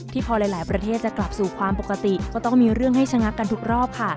พอหลายประเทศจะกลับสู่ความปกติก็ต้องมีเรื่องให้ชะงักกันทุกรอบค่ะ